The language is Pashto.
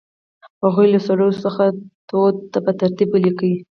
هغوی له سړو څخه تودو ته په ترتیب ولیکئ.